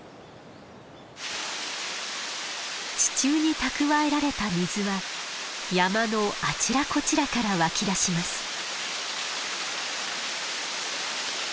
地中に蓄えられた水は山のあちらこちらから湧き出します。